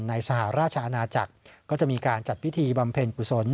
สหราชอาณาจักรก็จะมีการจัดพิธีบำเพ็ญกุศล